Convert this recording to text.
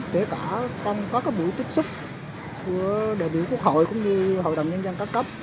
kể cả trong các buổi tiếp xúc của đại biểu quốc hội cũng như hội đồng nhân dân các cấp